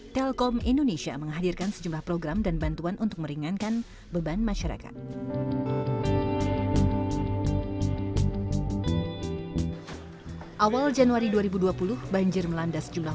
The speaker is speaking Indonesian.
telkom indonesia memberikan bantuan satu lima ratus paket sembako di beberapa titik pengungsian